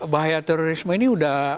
bahaya terorisme ini sudah